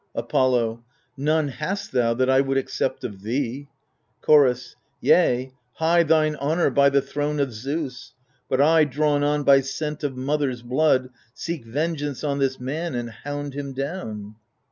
Apollo None hast thou, that I would accept of thee ! Chorus Yea, high thine honour by the throne of Zeus : But I, drawn on by scent of mother's blood, Seek vengeance on this man and hound him down.